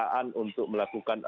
dan juga rkuhp